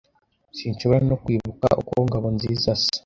Sinshobora no kwibuka uko Ngabonziza asa.